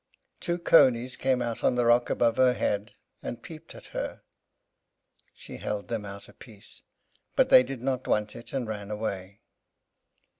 Two conies came out on the rock above her head and peeped at her. She held them out a piece, but they did not want it, and ran away.